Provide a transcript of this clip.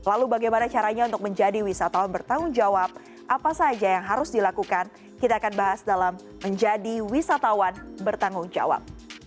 ada yang harus dilakukan kita akan bahas dalam menjadi wisatawan bertanggung jawab